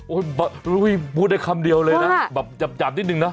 พูดได้คำเดียวเลยนะแบบจับนิดนึงนะ